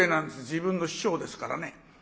自分の師匠ですからね。